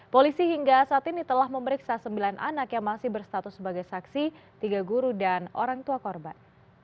polisi hingga saat ini telah memeriksa sembilan anak yang masih berstatus sebagai saksi tiga guru dan orang tua korban